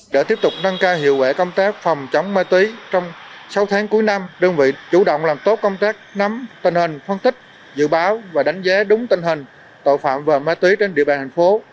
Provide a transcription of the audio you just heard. để tiếp tục nâng cao hiệu quả công tác phòng chống ma túy trong sáu tháng cuối năm đơn vị chủ động làm tốt công tác nắm tình hình phân tích dự báo và đánh giá đúng tình hình tội phạm và ma túy trên địa bàn thành phố